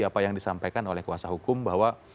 apa yang disampaikan oleh kuasa hukum bahwa